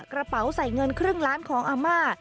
กระเป๋าใส่เงินครึ่งล้านของอาม่า